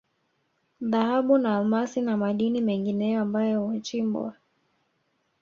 Dhahabu na Almasi na madini mengineyo ambayo huchimbwa